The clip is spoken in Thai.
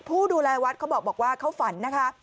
ผู้ดูแลวัดเขาบอกว่าเขาฝันนะคะ